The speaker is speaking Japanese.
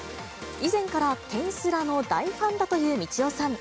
以前から転スラの大ファンだというみちおさん。